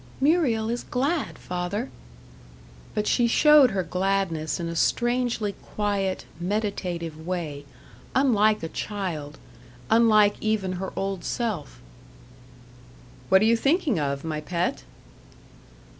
"Muriel is glad, father." But she showed her gladness in a strangely quiet, meditative way, unlike a child unlike even her old self. "What are you thinking of, my pet?"